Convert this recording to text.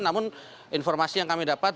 namun informasi yang kami dapat